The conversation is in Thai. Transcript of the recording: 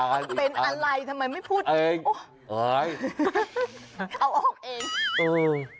อะไรพูดให้มันชัดพูดมารู้เรื่อง